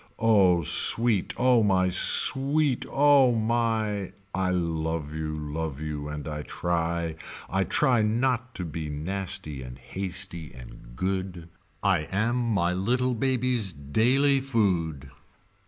Oh sweet oh my oh sweet oh my I love you love you and I try I try not to be nasty and hasty and good I am my little baby's daily food.